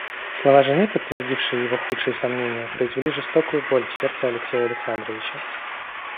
Слова жены, подтвердившие его худшие сомнения, произвели жестокую боль в сердце Алексея Александровича.